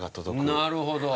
なるほど。